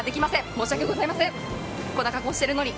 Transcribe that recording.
申し訳ございません、こんな格好をしているのに。